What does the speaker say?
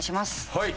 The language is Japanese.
はい。